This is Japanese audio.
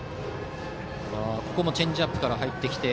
ここもチェンジアップから入った。